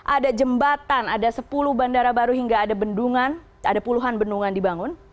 ada jembatan ada sepuluh bandara baru hingga ada bendungan ada puluhan bendungan dibangun